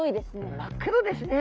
真っ黒ですね。